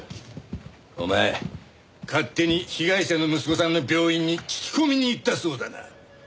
お前勝手に被害者の息子さんの病院に聞き込みに行ったそうだな？